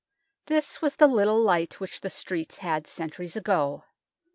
This was the little light which the streets had centuries ago.